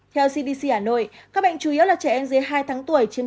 theo cdc hà nội các bệnh chủ yếu là trẻ em dưới hai tháng tuổi chiếm sáu mươi